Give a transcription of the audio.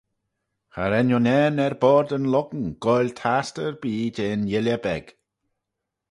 Cha ren unnane er boayrd yn lhong goaill tastey erbee jeh'n yuilley beg.